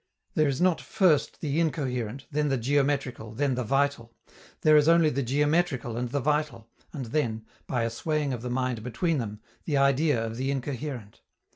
There is not first the incoherent, then the geometrical, then the vital; there is only the geometrical and the vital, and then, by a swaying of the mind between them, the idea of the incoherent.